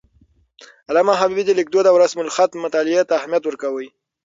علامه حبيبي د لیک دود او رسم الخط مطالعې ته اهمیت ورکاوه.